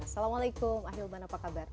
assalamualaikum ahilman apa kabar